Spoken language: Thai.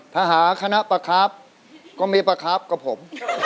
ถ้าหาคณะประคับก็มีประคับกับผม